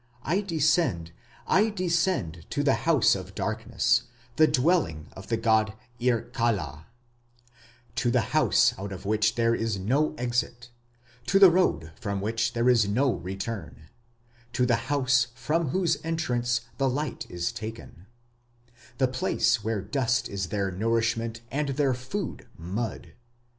I descend, I descend to the house of darkness, the dwelling of the god Irkalla: To the house out of which there is no exit, To the road from which there is no return: To the house from whose entrance the light is taken, The place where dust is their nourishment and their food mud.